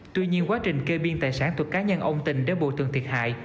tuy nhiên quá trình kê biên tài sản thuộc cá nhân ông tình để bù từng thiệt hại